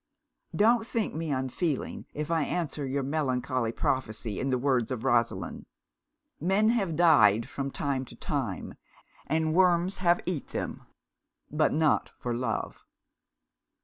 Don't think me unfeeling if I answer your melancholy prophecy in the words of Rosalind 'Men have died from time to time, and worms have eat them but not for love.'